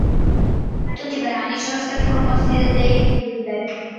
Tutti i brani sono stati composti da Dave Brubeck.